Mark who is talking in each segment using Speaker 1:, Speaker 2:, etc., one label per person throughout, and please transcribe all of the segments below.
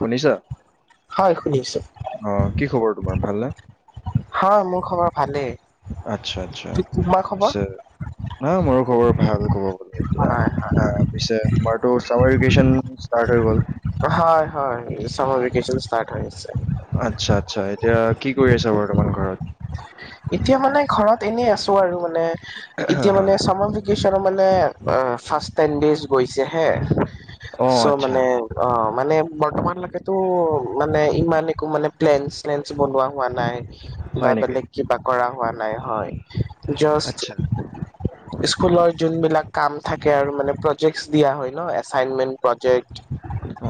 Speaker 1: শুনিছা,
Speaker 2: হয় শুনিছো
Speaker 1: অঁ' কি খবৰ তোমাৰ ভাল নে?
Speaker 2: হা' মোৰ খবৰ ভালেই।
Speaker 1: আচ্ছা-আচ্ছা'
Speaker 2: তোমাৰ খবৰ
Speaker 1: পিচে না মোৰো খবৰ ভাল। কব এতিয়া,
Speaker 2: হয়
Speaker 1: পিছে তোমাৰ তো ছামাৰ ভেকেশ্বন ষ্টাৰ্ট হৈ গ'ল।
Speaker 2: হয় হয়, চামাৰ ভেক্যন ষ্টাৰ্ট হৈ গৈছে।
Speaker 1: আচ্ছা-আচ্ছা' এতিয়া কি কৰি আছা বৰ্তমান ঘৰত?
Speaker 2: এতিয়া মানে ঘৰত এনেই আছো আৰু মানে এতিয়া মানে চামাৰ ভেকেচনৰ মানে- আহ' ফাষ্ট টাইম ডেইজ গৈছে হে
Speaker 1: অ',
Speaker 2: চ'
Speaker 1: আচ্ছা।
Speaker 2: মানে- অঁ, মানে বৰ্তমানলৈকেতো মানে ইমান একো মানে প্লেন স্লেন বনোৱা হোৱা নাই। বা
Speaker 1: হয় নেকি?
Speaker 2: বেলেগ কিবা কৰা হোৱা নাই হয়, জাষ্ট-
Speaker 1: [unintelligible]
Speaker 2: স্কুলৰ যোনবিলাক কাম থাকে আৰু মানে প্ৰজেক্টছ দিয়া হয় ন' এচাইনমেন প্ৰজেক্ট।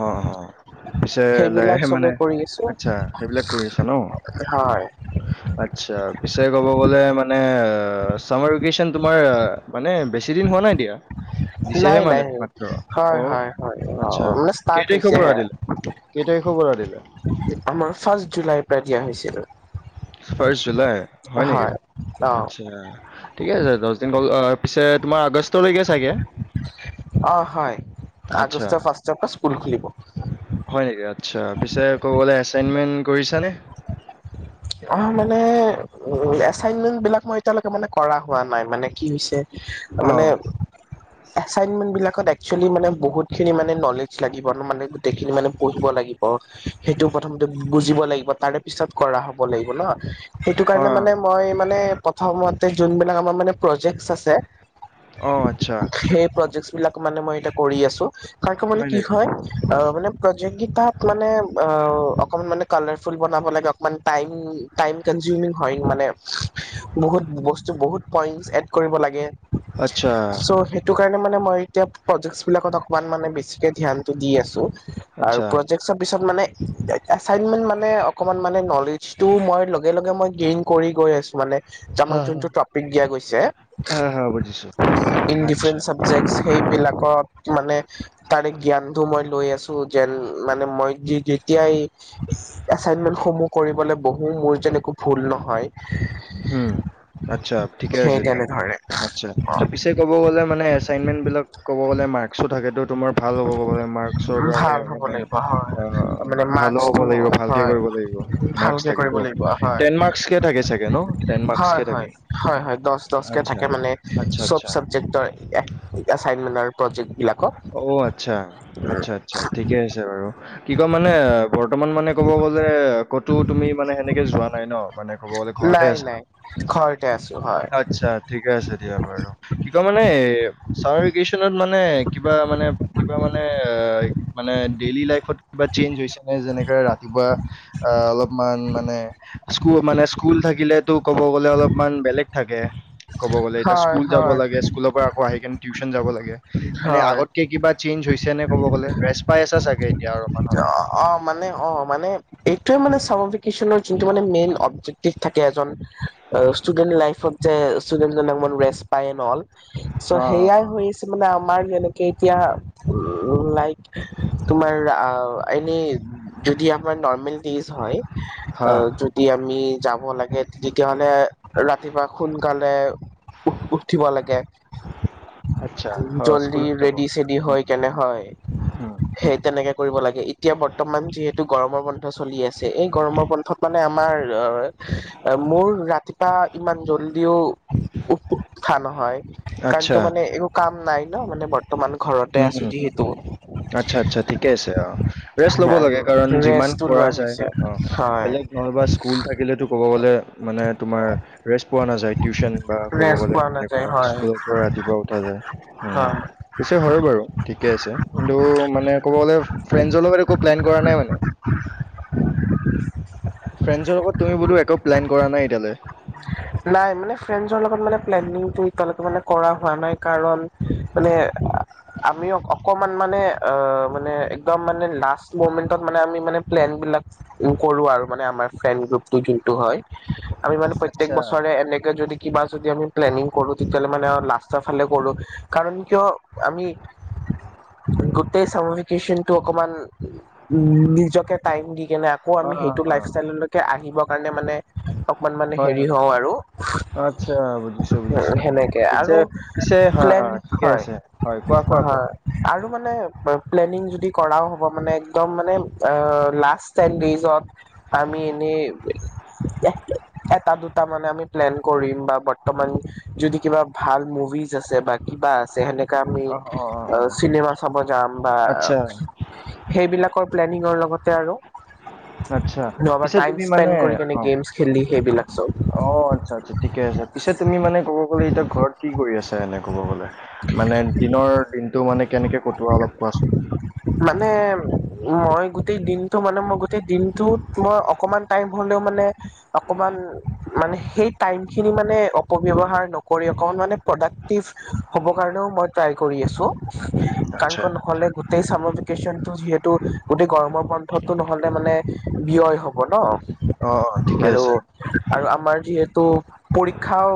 Speaker 1: উম উম। পিছে লৈ
Speaker 2: সেইবিলাক
Speaker 1: আহে
Speaker 2: চবে
Speaker 1: মানে
Speaker 2: কৰি আছো
Speaker 1: আচ্ছা' সেইবিলাক কৰি আছা ন।
Speaker 2: হয়
Speaker 1: আচ্ছা' পিছে ক'ব গ'লে মানে অ' চামাৰ- ভিকেচন তোমাৰ মানে বেছি দিন হোৱা নাই দিয়া দিছেহে
Speaker 2: নাই
Speaker 1: মানে
Speaker 2: নাই
Speaker 1: মাত্ৰ।
Speaker 2: হয় হয় হয় অ
Speaker 1: আচ্ছা'
Speaker 2: মানে ষ্টাৰ্ট
Speaker 1: কেইটাৰিখৰ পৰা
Speaker 2: হৈছেহে
Speaker 1: দিলে, কেইটাৰিখৰ পৰা দিলে?
Speaker 2: আমাৰ ফাৰ্ষ্ট জুলাইৰ পৰা দিয়া হৈছিলে।
Speaker 1: ৰ্ফাষ্ট জুলাই হয় নেকি,
Speaker 2: অ
Speaker 1: আচ্ছা' ঠিকে আছে দহদিন অহ- পিছে তোমাৰ আগষ্টলৈকে চাগে।
Speaker 2: অহ' হয়,
Speaker 1: আচ্ছা
Speaker 2: আগষ্টৰ ফাৰ্ষ্টৰপৰা স্কুল খুলিব।
Speaker 1: হয় নেকি, আচ্ছা' পিছে আকৌ বোলে এচাইনমেন্ট কৰিছা নে?
Speaker 2: অঁ, মানে এচাইনমেন্ট বিলাক মই এতিয়ালৈকে মানে কৰা হোৱা নাই মানে কি হৈছে-
Speaker 1: অ',
Speaker 2: মানে- এাচাইনমেণ্ট বিলাকত এক্সুৱেলি মানে বহুতখিনি মানে নলেজ লাগিব মানে গোটেইখিনি মানে পঢ়িব লাগিব। সেইটো প্ৰথমতে বুজিব লাগিব তাৰে- পিছত কৰা হ'ব লাগিব ন' সেইটো কাৰণে মানে-
Speaker 1: অ',
Speaker 2: মই মানে প্ৰথমতে যোনবিলাক আমাৰ মানে প্ৰজেক্ট আছে-
Speaker 1: অ', আচ্ছা
Speaker 2: সেই প্ৰজেক্টচ বিলাক মানে মই এতিয়া কৰি আছোঁ, কাৰন মানে কি হয়- অঁ মানে প্ৰজেক্টগীতাত মানে অঁ, অকমান মানে- কালাৰফুল বনাব লাগে অকমান টাইম-টাইম কনজিউমিং হয় মানে বহুত বস্তু বহুত- পইণ্টছ এড কৰিব লাগে।
Speaker 1: আচ্ছা
Speaker 2: চও' সেইটো কাৰণে মানে মই এতিয়া প্ৰজেক্ট বিলাকত অকমান মানে বেছিকে ধ্যানটো দি আছোঁ। আৰু
Speaker 1: আচ্ছা
Speaker 2: প্ৰজেক্টচৰ পিছত মানে- আছিংমেণ্ট মানে অকণমান মানে নলেজটো মই লগে লগে মই গেইন কৰি গৈ আছো মানে।
Speaker 1: হা
Speaker 2: আমাক
Speaker 1: হা
Speaker 2: যোনটো টপিক দিয়া গৈছে
Speaker 1: হা হা বুজিছো
Speaker 2: ইন
Speaker 1: আচ্ছা
Speaker 2: ডিফাৰেন্ট- জেক্স সেইবিলাকত- মানে তাৰে জ্ঞানটো মই লৈ আছো যেন মানে মই যেতিয়াই- এচাইনমেন্ট সমূহ কৰিবলৈ বহু মোৰ যেন একো ভুল নহয়।
Speaker 1: উম, আচ্ছা' ঠিকে
Speaker 2: সেই
Speaker 1: আছে দিয়া,
Speaker 2: তেনেধৰণে
Speaker 1: আচ্ছা' পিছে- ক'ব গ'লে মানে এছাইনমেন্ট বিলাক ক'ব গ'লে মাৰ্কসো থাকেতো। তোমাৰ ভাল হ'ব ক'ব লাগে মাৰ্কশৰ কাৰণে
Speaker 2: ভাল হ'ব
Speaker 1: মানে
Speaker 2: লাগিব হয়
Speaker 1: অ'
Speaker 2: মানে
Speaker 1: ভালো হ'ব
Speaker 2: মাৰ্কচটো
Speaker 1: লাগিব ভালকে
Speaker 2: হয়
Speaker 1: কৰিব লাগিব। মাৰ্কচ
Speaker 2: ভালকে কৰিব
Speaker 1: থাকেটো
Speaker 2: লাগিব হয়
Speaker 1: টেন মাৰ্কচকে থাকে চাগে ন' টে-
Speaker 2: হয় হয়, হয় হয়, দচ দচ কে
Speaker 1: আচ্ছা
Speaker 2: থাকে মানে
Speaker 1: আচ্ছা
Speaker 2: চব
Speaker 1: আচ্ছা
Speaker 2: চাবজেক্টৰ এচাইনমেণ্টৰ- প্ৰজেক্টবিলাক-
Speaker 1: অ আচ্ছা আচ্ছা আচ্ছা ঠিকে আছে বাৰু কি কম মানে বৰ্তমান মানে ক'ব গ'লে ক'তো তুমি মানে সেনেকে যোৱা নাই ন মানে ক'ব গ'লে ঘৰতে
Speaker 2: নাই
Speaker 1: আছা
Speaker 2: নাই ঘৰতে আছো হয়
Speaker 1: আচ্ছা ঠিকে আছে দিয়া বাৰু কি কয় মানে চামাৰ ভেকেশচনত মানে কিবা মানে কিবা মানে এ মানে ডেইলি লাইফত কিবা চেঞ্জ হৈছে নে যেনেকে ৰাতিপুৱা অ অলপমান মানে স্কুলত মানে স্কুল থাকিল ক'ব গ'লে অলপমান বেলেগ থাকে ক'ব গ'লে এতিয়া
Speaker 2: হয়
Speaker 1: স্কুল যাব
Speaker 2: হয়
Speaker 1: লাগে স্কুলৰ পৰা আকৌ আহিকিনে টিউছন যাবা লাগে মানে
Speaker 2: হয়
Speaker 1: আগতকে কিবা চেঞ্জ হৈছে নে ক'ব গ'লে ৰেষ্ট পাই আছা চাগে এতিয়া অলপমান হলেও
Speaker 2: অ মানে অ মানে এইটোয়ে মানে চামাৰ ভেকেচনৰ যোনটো মানে মেইন থিক থাকে এজন ষ্টুডেন্ট লাইফত যে ষ্টুডেন্টজন ৰেষ্ট পায় এন অল চ'
Speaker 1: অ', অ',
Speaker 2: সেইয়াই
Speaker 1: অ',
Speaker 2: হৈছে মানে আমাৰ যেনেকে এতিয়া উম লাইক তোমাৰ আহ এনেই যদি আমাৰ নৰ্মেল ডিজ
Speaker 1: হা,
Speaker 2: হয় যদি আমি যাব লাগে তেতিয়াহ'লে ৰাতিপুৱা সোনকালে উ উঠিব লাগে
Speaker 1: আচ্ছা অ স্কুলত যাব
Speaker 2: মানে হয়
Speaker 1: অ [inaudible]
Speaker 2: সেই তেনেকে কৰিব লাগে এতিয়া বৰ্তমান যিহেতু গৰমৰ বনন্ধ চলি আছে এই গৰমৰ বন্ধত মানে আমাৰ মোৰ ৰাতিপুৱা ইমান জল্দিও থ নহ হয় কাৰণ
Speaker 1: আচ্ছা,
Speaker 2: তো মানে একো কাম নাই ন মানে বৰ্ত বৰ্তমান ঘৰতে
Speaker 1: উম।
Speaker 2: আছো যিহেতু
Speaker 1: আচ্ছা আচ্ছা ঠিকে আছে অ ৰেষ্ট লব
Speaker 2: আৰু
Speaker 1: লাগে কাৰণ যিমান
Speaker 2: ৰেষ্টটো
Speaker 1: কৰা
Speaker 2: লোৱা
Speaker 1: যায়
Speaker 2: হৈছে
Speaker 1: অ
Speaker 2: হয়
Speaker 1: বেলেগ নহলেবা স্কুল থাকিলেতো ক'ব গ'লে মানে তোমাৰ ৰেষ্ট পোৱা নাযায় টিউছন বা ক'ব
Speaker 2: ৰেষ্ট
Speaker 1: গ'লে
Speaker 2: পোৱা নাযায়
Speaker 1: তেনেকুৱা
Speaker 2: হয়
Speaker 1: স্কুলৰ পৰা ৰাতিপুৱা উঠা যায় হম
Speaker 2: হয়
Speaker 1: পিছে হয় বাৰু ঠিকে আছে কিন্তু মানে ক'ব গ'লে ফ্ৰেণ্ডৰ লগত একো প্লেন কৰা নাই মানে
Speaker 2: [inaudible]
Speaker 1: ফ্ৰেণ্ডছৰ লগত তুমি বোলো একো প্লেন কৰা নাই এতিয়ালৈ
Speaker 2: নাই মানে ফ্ৰেণ্ডছৰ লগত মানে প্লেনিংটো এতিয়ালৈকে মানে কৰা হোৱা নাই কাৰণ মানে আমি অকমান মানে অ মানে একদম মানে লাষ্ট মমেন্টত মানে আমি মানে প্লেন বিলাক কৰো আৰু মানে আমাৰ ফ্ৰেণ্ড গ্ৰুপটো যোনটো হয় আমি মানে প্ৰত্যেক
Speaker 1: আচ্ছা,
Speaker 2: বছৰে এনেকে যদি কিবা যদি আমি প্লেনিং কৰো তেতিয়াহ'লে মানে লাষ্টৰ ফালে কৰো কাৰণ কিয় আমি গোটেইনটো চামাৰভেকেশোনটো অকমান নিজকে টাইম দি কেনে আকৌ
Speaker 1: অ,
Speaker 2: আমি
Speaker 1: অ,
Speaker 2: সেইটো
Speaker 1: অ,
Speaker 2: লাইফ ষ্টাইললৈকে আহিবৰ কাৰণে মানে অকমান মানে
Speaker 1: হয়,
Speaker 2: হেৰি
Speaker 1: হয়।
Speaker 2: হওঁ আৰু
Speaker 1: আচ্ছা বুজিছো বুজিছো
Speaker 2: সেনেকে
Speaker 1: পিছে
Speaker 2: আৰু
Speaker 1: পিছে হা
Speaker 2: প্লেন
Speaker 1: হা ঠিকে
Speaker 2: হয়
Speaker 1: আছে হয় কোৱা কোৱা কোৱা
Speaker 2: হয় আৰু মানে প্লেনিং যদি কৰাও হ'ব মানে একদম মানে লাষ্ট টেনজত আমি এনেই [unintelligible] এটা দুটা মানে আমি প্লেন কৰিম বা বৰ্তমান যদি কিবা ভাল মুভিজ আছে বা কিবা আছে সেনেকা আমি
Speaker 1: অ, অ, অ, অ,
Speaker 2: চিনেমা চাব যাম বা
Speaker 1: আচ্ছা।
Speaker 2: সেইবিলাকৰ প্লেনিঙৰ লগতে আৰু
Speaker 1: আচ্ছা,
Speaker 2: নাইবা
Speaker 1: পিছে
Speaker 2: টাইম
Speaker 1: তুমি মানে
Speaker 2: স্পেণ্ড কৰি কেনে,
Speaker 1: অ,
Speaker 2: গেমছ খেলি সেইবিলাক। চব
Speaker 1: অ'! আচ্ছা, আচ্ছা, ঠিকে আছে। পিছে তুমি মানে, ক'ব গ'লে, এতিয়া ঘৰত কি কৰি আছা, এনে ক'ব গ'লে? মানে, দিনৰ দিনটো মানে, কেনেকে কটোৱা অলপ কোৱাচোন?
Speaker 2: মানে, মই গোটেই দিনটো মানে, মই গোটেই দিনটোত মই, অকমান টাইম হ'লেও মানে, অকমান মানে, সেই টাইম খিনি মানে, অব্যৱহাৰ নকৰি, অকমান মানে, প্ৰডাক্টিভ হ'বৰ কাৰণেও মই ট্ৰাই কৰি আছোঁ।
Speaker 1: আচ্ছা,
Speaker 2: [unintelligible] নহ'লে গোটেই চামাৰ ভেকেচনটো যিহেতু, গোটেই গৰমৰ বন্ধটো নহ'লে, মানে ব্যয় হ'ব।
Speaker 1: অ, অ,
Speaker 2: [unintelligible]
Speaker 1: ঠিকে
Speaker 2: হেল্ল'?
Speaker 1: আছে।
Speaker 2: আৰু আমাৰ যিহেতু, পৰীক্ষাও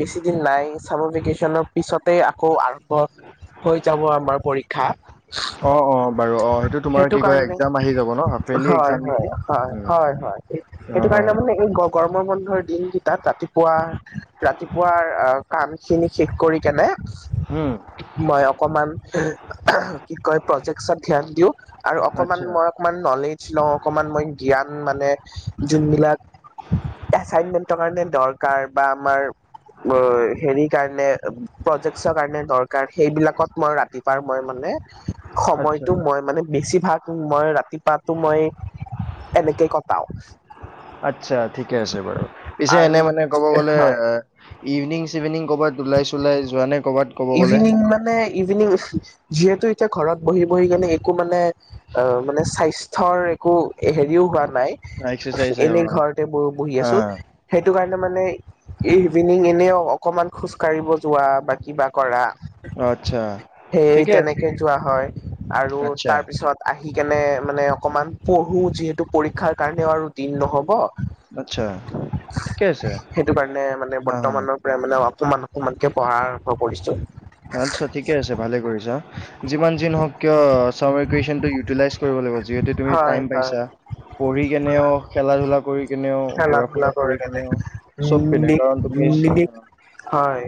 Speaker 2: বেছি দিন নাই। চামাৰ ভেকেচনৰ পিছতে, আকৌ আৰম্ভ হৈ যাব, আমাৰ পৰীক্ষা।
Speaker 1: অ' অ' বাৰু অ'! সেইটো তোমাৰ কি কয়! এক্সাম আহি যাব ন' হাফ ইয়েৰলি
Speaker 2: হয়
Speaker 1: এক্সাম।
Speaker 2: হয় হয়,
Speaker 1: উম,
Speaker 2: হয়, হয়!
Speaker 1: অ,
Speaker 2: সেইটো কাৰণে মানে, এই গৰমৰ বন্ধৰ দিনকেইটাত ৰাতিপুৱা, ৰাতিপুৱাৰ আঁ কাম খিনি শেষ কৰি কেনে,
Speaker 1: উম,
Speaker 2: মই অকমান, কি কয়! প্ৰজেক্সত ধ্যান দিওঁ। আৰু অকমান
Speaker 1: আচ্ছা,
Speaker 2: মই, অকমান নলেজ লওঁ। অকমান মই জ্ঞান মানে, যোনবিলাক এচাইনমেন্টৰ কাৰণে, দৰকাৰ বা আমাৰ [unintelligible] সেৰি কাৰণে, প্ৰজেক্টৰ কাৰণে, দৰকাৰ। সেইবিলাকত, মই ৰাতিপুৱা মই মানে,
Speaker 1: আচ্ছা,
Speaker 2: সময়টো মই মানে, বেছিভাগ মই, ৰাতিপুৱাতো মই, এনেকে কটাও।
Speaker 1: আচ্ছা, ঠিকে আছে বাৰু। পিছে
Speaker 2: আৰু
Speaker 1: এনে মানে, ক'ব গ'লে
Speaker 2: হয়
Speaker 1: এ, ইভিনিং-চিভিনিং ক'ৰবাত, ওলাই-চোলাই যোৱা নাই, ক'ৰবাত? ক'ব গ'লে?
Speaker 2: ইভিনিং মানে, ইভিনিং যিহেতু, এতিয়া ঘৰত বহি- বহি কেনে, একো মানে, অ'! মানে, স্বাস্থ্যৰ একো সেৰিও হোৱা নাই।
Speaker 1: এক্সাৰচাইজ অ,
Speaker 2: এনেই ঘৰতে ব বহি আছোঁ।
Speaker 1: হা।
Speaker 2: সেইটো কাৰণে মানে, এই ইভিনিং এনেইও, অকণমান খোজকাঢ়িব যোৱা বা কিবা কৰা!
Speaker 1: আচ্ছা,
Speaker 2: সেই,
Speaker 1: ঠিকে আছে।
Speaker 2: তেনেকে যোৱা হয়। আৰু
Speaker 1: আচ্ছা,
Speaker 2: তাৰ পিছত, আহি কেনে মানে, অকমান পঢ়োঁ যিহেতু, পৰীক্ষাৰ কাৰণেও আৰু দিন নহ'ব।
Speaker 1: আচ্ছা, ঠিকে আছে।
Speaker 2: [unintelligible] সেইটো কাৰণে মানে,
Speaker 1: হা, হা।
Speaker 2: বৰ্তমানৰ মানে, অকমান-অকমানকে পঢ়াৰ আৰম্ভ কৰিছো
Speaker 1: আচ্ছা! ঠিকে আছে, ভালে কৰিছা! যিমান যি নহওঁক কিয়, চামাৰ ভেকেচনটো ইউটেলাইজ কৰিব লাগিব, যিহেতু তুমি
Speaker 2: হয় হয়
Speaker 1: পাইছা। পঢ়ি কেনেও, খেলা-ধূলা কৰি কেনেও,
Speaker 2: খেলা ধূলা
Speaker 1: ঘূৰা-ফুৰা
Speaker 2: কৰে
Speaker 1: কৰি
Speaker 2: কেনে
Speaker 1: কেনেও, চব পিনে, কাৰণ তুমি,
Speaker 2: হয়!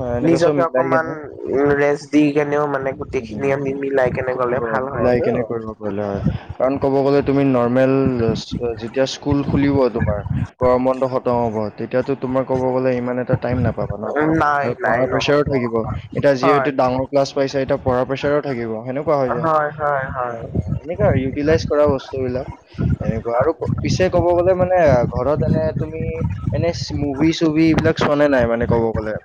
Speaker 1: অ, এনেকুৱা চব
Speaker 2: নিজক কে
Speaker 1: মিলাই
Speaker 2: অকমান,
Speaker 1: কেনে
Speaker 2: উম! ৰেষ্ট দি কেনেও মানে, গোটেই
Speaker 1: উম।
Speaker 2: খিনি আমি মিলাই কেনে,
Speaker 1: কৰিব
Speaker 2: গ'লে ভাল হয়
Speaker 1: মিলাই
Speaker 2: আৰু।
Speaker 1: [unintelligible] হয়। কাৰণ, ক'ব গ'লে, তুমি নৰ্মেল, যেতিয়া স্কুল খুলিব তোমাৰ, গৰম বন্ধ খতম হ'ব। তেতিয়াতো, তোমাৰ ক'ব গ'লে, ইমান এটা টাইম নাপাবা ন'
Speaker 2: নাই
Speaker 1: আৰু
Speaker 2: নাই
Speaker 1: পঢ়া প্ৰেছাৰো
Speaker 2: নহ'ব
Speaker 1: থাকিব। এতিয়া,
Speaker 2: হয়
Speaker 1: যিহেতু ডাঙৰ ক্লাছ পাইছা, এতিয়া পঢ়াৰ প্ৰেছাৰো থাকিব, সেনেকুৱা হৈ যায়।
Speaker 2: হয় হয়, হয়!
Speaker 1: এনেকুৱা, ইউটিলাইজ কৰা বস্তুবিলাক। এনেকুৱা! আৰু পিছে ক'ব গ'লে মানে, ঘৰত এনে তুমি, এনে, মুভি-চুভি এইবিলাক, চোৱা নে নাই? মানে, ক'ব গ'লে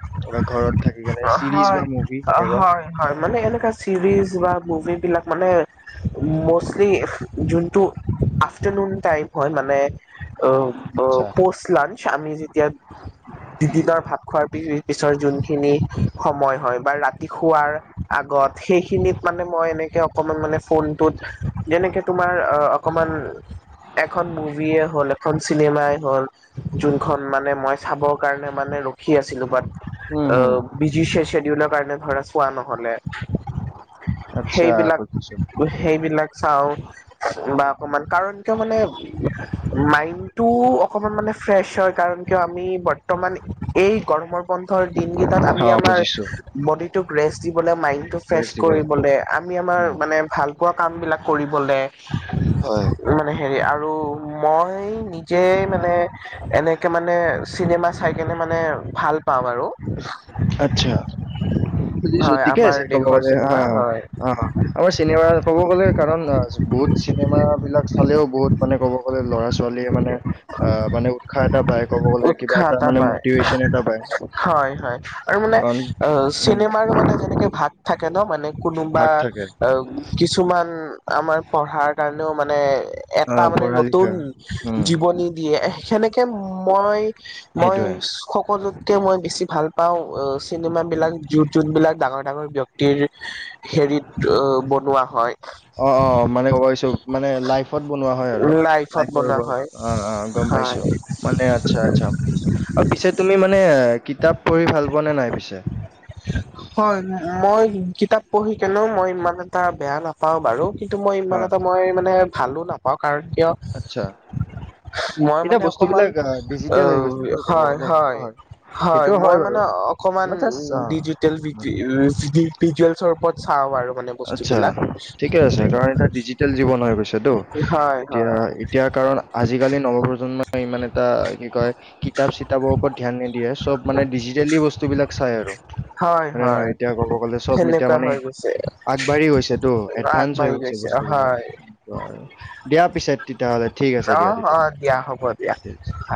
Speaker 1: ঘৰত। থাকি কেনে, চিৰিজ
Speaker 2: হয়
Speaker 1: বা মুভি সেনেকুৱা।
Speaker 2: হয়! মানে, এনেকা চিৰিজ বা মুভি বিলাক মানে, ম'ষ্টলি যোনটো আফটাৰনুন টাইপ হয় মানে - অ অ
Speaker 1: আচ্ছা
Speaker 2: পোষ্ট লাঞ্চ আমি যেতিয়া - দি দিনৰ ভাত খোৱাৰ পিছৰ যোনখিনি সময় হয় বা ৰাতি শোৱাৰ - আগত সেইখিনিত মানে মই এনেকে অকমান মানে ফোনটোত যেনেকে - তোমাৰ অকণমান এখন মুভি - হ'ল এখন চিনেমাই হ'ল - যোনখন মানে মই চাবৰ কাৰণে মানে ৰখ - খি আছিলো বাট
Speaker 1: উম হম
Speaker 2: বিজি চে চেডিউলৰ কাৰণে ধৰা চোৱা নহ'লে -
Speaker 1: আচ্ছা বুজিছো।
Speaker 2: সেইবিলাক চাওঁ বা অকমান কাৰণ কিয় মানে - মাইণ্ডটো অকমান মানে ফ্ৰেছ হয় কাৰণ কিয় আমি বত - বৰ্তমান এই গৰমৰ বন্ধ দিনকেইটাত আমি
Speaker 1: অ
Speaker 2: আমাৰ
Speaker 1: বুজিছো
Speaker 2: বডিটোক ৰেষ্ট দিবলৈ মাইণ্ডটোক - ফ্ৰেচ
Speaker 1: ৰেষ্ট দিব লাগে
Speaker 2: কৰিবলে আমি আমাৰ
Speaker 1: উম।
Speaker 2: মানে ভাল পোৱা কাম বিলাক কৰিবলে
Speaker 1: হয়।
Speaker 2: - মানে হেৰি আৰু মই নিজে মানে এনেকৈ মানে চিনেমা- চাইকিনে মানে ভাল পাওঁ আৰু।
Speaker 1: আচ্ছা, যি
Speaker 2: হয়
Speaker 1: জ্যোতিকা
Speaker 2: আমাৰ
Speaker 1: আছে একে
Speaker 2: দেশৰ
Speaker 1: গলতে, হা
Speaker 2: চিনেমা হয়
Speaker 1: অ আমাৰ চিনেমা কব গ'লে কাৰণ অ বহুত চিনেমা বিলাক চালেও বহুত - মানে ক'ব গ'লে ল'ৰা-ছোৱালীয়ে মানে - অ মানে উৎসাহ এটা পায়, ক'ব গলে কিবা
Speaker 2: উৎসাহ
Speaker 1: এটা মানে
Speaker 2: পায়
Speaker 1: মটিভেশ্যন এটা পায়।
Speaker 2: হয় হয়। আৰু মানে
Speaker 1: কাৰণ
Speaker 2: অ
Speaker 1: উম,
Speaker 2: চিনেমাৰ মানে যেনেকে ভাগ থাকে ন মানে কোনোবা
Speaker 1: ভাগ থাকে
Speaker 2: - অ কিছুমান আমাৰ পঢ়াৰ কাৰণেও মানে এটা
Speaker 1: আহ
Speaker 2: মানে
Speaker 1: পঢ়া
Speaker 2: নতুন
Speaker 1: লিখা
Speaker 2: -
Speaker 1: উম
Speaker 2: জীৱনী দিয়ে, সেনেকে মই মই
Speaker 1: সেইটোৱে
Speaker 2: - সকলোতকে মই বেছি ভাল পাও চিনেমা বিলাক জো জোন বিলাক ডাঙৰ ডাঙৰ ব্যক্তি- তিৰ হেৰিত বনোৱা হয়।
Speaker 1: অ অ মানে গম পাইছো মানে লাইফত বনোৱা হয় আৰু
Speaker 2: লাইফত
Speaker 1: লাইফ - হৈ
Speaker 2: বনোৱা
Speaker 1: গ'ল,
Speaker 2: হয়
Speaker 1: অ অ গম
Speaker 2: হয়
Speaker 1: পাইছো। মানে আচ্ছা আচ্ছা আৰু পিছে তুমি মানে কিতাপ পঢ়ি ভাল পোৱা নে নাই পিছে?
Speaker 2: [unintelligible] হয় মই কিতাপ পঢ়ি কেনেও মই ইমান এটা বেয়া নাপাও বাৰু। কিন্তু মই ইমান
Speaker 1: হা
Speaker 2: এটা মই মানে ভালো নাপাওঁ কাৰণ কিয় -
Speaker 1: আচ্ছা।
Speaker 2: মই
Speaker 1: এতিয়া
Speaker 2: মানে অকমান,
Speaker 1: বস্তুবিলাক
Speaker 2: অ
Speaker 1: ডিজিটেল হৈ গৈছেতো ক'ব
Speaker 2: হয়
Speaker 1: গ'লে সেইটো
Speaker 2: হয় হয়
Speaker 1: সেইটো
Speaker 2: মই
Speaker 1: বাৰু
Speaker 2: মানে অক- অকণমান
Speaker 1: মই জাষ্ট অ
Speaker 2: ডিজিটেল ভি ভিজুৱেলছৰ ওপৰত -
Speaker 1: আচ্ছা ঠিকেই আছে, কাৰণ এতিয়া ডিজিটেল জীৱন হৈ গৈছেতো।
Speaker 2: হয়
Speaker 1: এতিয়া
Speaker 2: হয়
Speaker 1: এতিয়া কাৰণ আজিকালি নৱপ্ৰজন্মই ইমান এটা কি কয় - কিতাপ চিতাপৰ ওপৰত ধ্যান নিদিয়ে, চব মানে ডিজিটেলি বস্তু - টো বিলাক চাই আৰু, হয় নহয় এতিয়া ক'ব গ'লে চব এতিয়া
Speaker 2: সেনেকুৱা
Speaker 1: মানে -
Speaker 2: [unintelligible]
Speaker 1: আগবাঢ়ি গৈছেতো এডভানঞ্চ হৈ
Speaker 2: আগবাঢ়ি
Speaker 1: গৈছে বস্তুবিলাক
Speaker 2: হয়
Speaker 1: সেইটো আৰু দিয়া পিছে - তেতিয়া হ'লে, ঠিক আছে
Speaker 2: অ
Speaker 1: দিয়া তেতিয়া
Speaker 2: অ দিয়া হ'ব দিয়া
Speaker 1: হ'লে।
Speaker 2: হয়